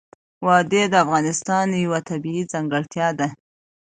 وادي د افغانستان یوه طبیعي ځانګړتیا ده.